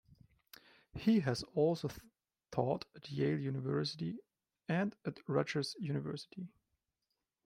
He has also taught at Yale University and at Rutgers University.